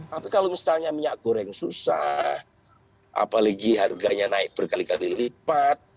tapi kalau misalnya minyak goreng susah apalagi harganya naik berkali kali lipat